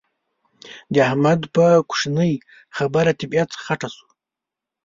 د احمد په کوشنۍ خبره طبيعت خټه شو.